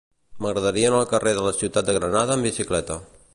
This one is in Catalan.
M'agradaria anar al carrer de la Ciutat de Granada amb bicicleta.